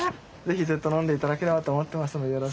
ぜひずっと飲んでいただければと思ってますので。